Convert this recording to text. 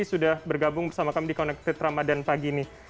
sudah bergabung bersama kami di connected ramadan pagi ini